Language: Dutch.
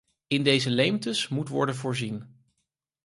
In deze leemtes moet worden voorzien.